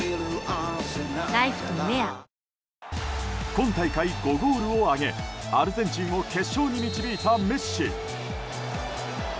今大会５ゴールを挙げアルゼンチンを決勝に導いたメッシ。